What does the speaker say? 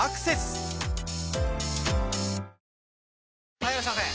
・はいいらっしゃいませ！